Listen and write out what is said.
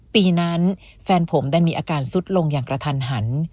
ปีนั้นแฟนผมได้มีอาการซุดลงอย่างกระทันหัน